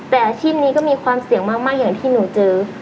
แต่อาชีพนี้ก็มีความเสี่ยงมากอย่างที่หนูเจอ